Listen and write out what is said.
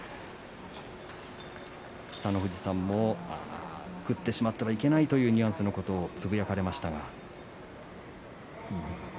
北の富士さんも食ってしまったらいけないというニュアンスのことをつぶやかれましたが。